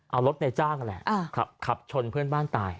เอารถในจ้างนั่นแหละขับชนเพื่อนบ้านตาย